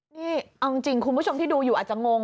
นี่เอาจริงคุณผู้ชมที่ดูอยู่อาจจะงง